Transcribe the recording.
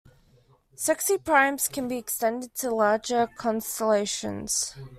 Sexy primes can be extended to larger constellations.